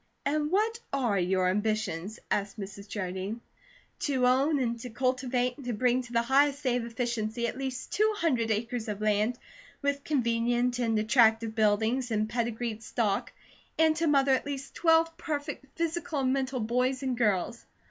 "And what ARE your ambitions?" asked Mrs. Jardine. "To own, and to cultivate, and to bring to the highest state of efficiency at least two hundred acres of land, with convenient and attractive buildings and pedigreed stock, and to mother at least twelve perfect physical and mental boys and girls."